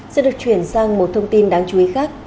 sẽ được chuyển sang một thông tin đáng chú ý khác